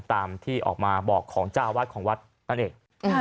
ตามที่ออกมาบอกของเจ้าวัดของวัดนั่นเอง